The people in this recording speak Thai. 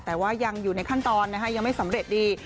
แต่ว่ายังอยู่ในขั้นตอนนะคะยังไม่สำเร็จดี